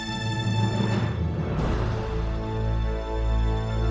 aku mau ke sana